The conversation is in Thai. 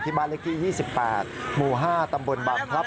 บ้านเลขที่๒๘หมู่๕ตำบลบังพลับ